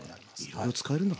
いろいろ使えるんだ。